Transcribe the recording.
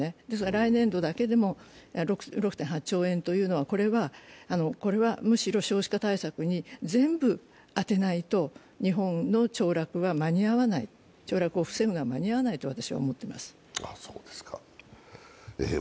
来年度だけでも６．８兆円というのはむしろ少子化対策に全部充てないと日本のちょう落を防ぐには間に合わないと私は思ってます。